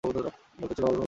জলটা ছিল বরফের মত ঠাণ্ডা।